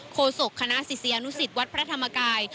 โศกคณะศิษยานุสิตวัดพระธรรมกาย